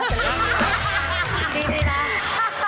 ดีนะ